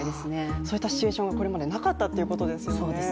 そういったシチュエーションはこれまでなかったということですよね。